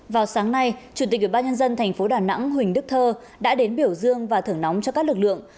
vào sáng nay chủ tịch ubnd tp đà nẵng huỳnh đức thơ đã đến biểu dương và thở nóng cho các lực lượng